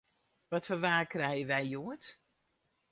Wat foar waar krije we hjoed?